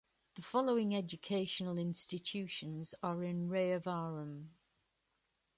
The following educational institutions are in Rayavaram.